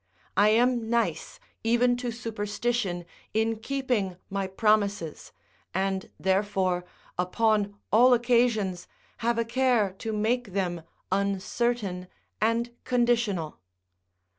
I am nice, even to superstition, in keeping my promises, and, therefore, upon all occasions have a care to make them uncertain and conditional.